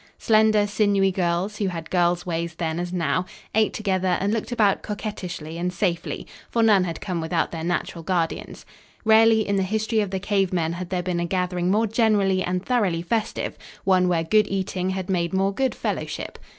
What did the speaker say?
Slender, sinewy girls, who had girls' ways then as now, ate together and looked about coquettishly and safely, for none had come without their natural guardians. Rarely in the history of the cave men had there been a gathering more generally and thoroughly festive, one where good eating had made more good fellowship.